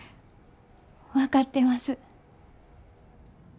分かってます。